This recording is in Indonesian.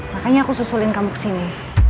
makanya aku susulin kamu kesini